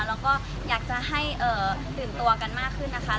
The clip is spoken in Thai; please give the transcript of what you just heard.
แล้วก็อยากจะให้ตื่นตัวกันมากขึ้นนะคะ